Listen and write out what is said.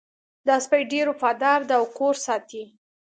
دا سپی ډېر وفادار ده او کور ساتي